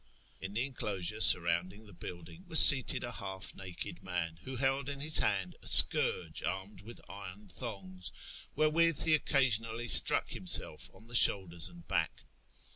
In the enclosure surrounding the building was seated a half naked man, who held in his hand a scourge armed with iron thongs, wherewith he occasionally struck himself on the shoulders and back.